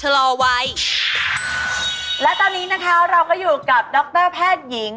และตอนนี้นะคะเราก็อยู่กับดรแพทย์หญิง